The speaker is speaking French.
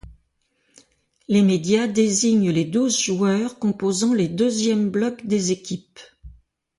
Les médias désignent les douze joueurs composant les deuxièmes blocs des équipes.